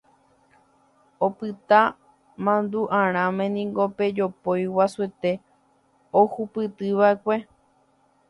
Opyta mandu'arãme niko pe jopói guasuete ohupytyva'ekue